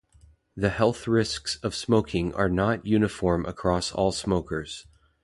The health risks of smoking are not uniform across all smokers.